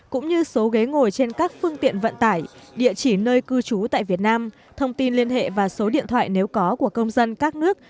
cũng như số ghế ngồi trên các phương tiện vận tải địa chỉ nơi cư trú tại việt nam thông tin liên hệ và số điện thoại nếu có của công dân các nước